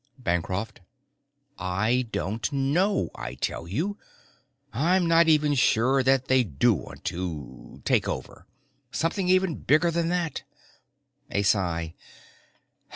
Bancroft: "I don't know, I tell you. I'm not even sure that they do want to take over. Something even bigger than that." A sigh.